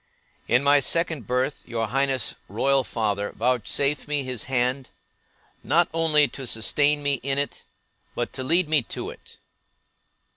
In my second birth, your Highness' royal father vouchsafed me his hand, not only to sustain me in it, but to lead me to it.